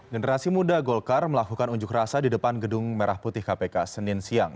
generasi muda golkar melakukan unjuk rasa di depan gedung merah putih kpk senin siang